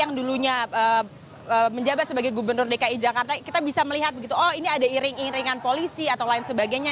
yang dulunya menjabat sebagai gubernur dki jakarta kita bisa melihat begitu oh ini ada iring iringan polisi atau lain sebagainya